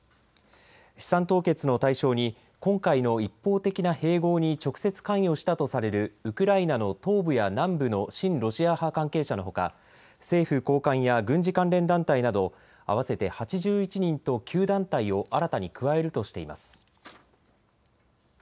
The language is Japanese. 資産凍結の対象に今回の一方的な併合に直接関与したとされるウクライナの東部や南部の親ロシア派関係者のほか政府高官や軍事関連団体など合わせて８１人と９団体を新たに加えるとしています。